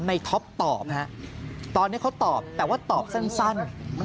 ท็อปตอบฮะตอนนี้เขาตอบแต่ว่าตอบสั้น